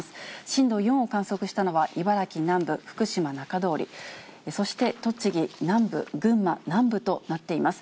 震度４を観測したのは、茨城南部、福島中通り、そして栃木南部、群馬南部となっています。